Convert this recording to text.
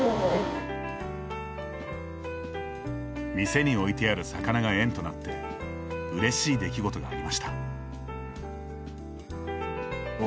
店に置いてある魚が縁となってうれしい出来事がありました。